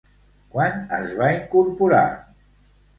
Quan es va incorporar?